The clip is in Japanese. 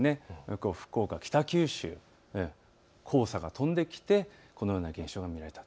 きょう福岡北九州、黄砂が飛んできてこのような現象が見られた。